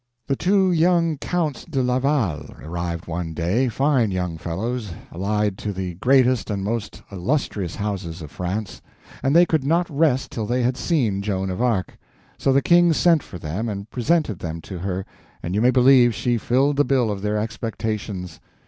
The two young Counts de Laval arrived one day—fine young fellows allied to the greatest and most illustrious houses of France; and they could not rest till they had seen Joan of Arc. So the King sent for them and presented them to her, and you may believe she filled the bill of their expectations.